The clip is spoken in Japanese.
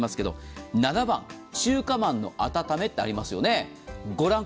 ７番、中華まんのあたためってありますよね。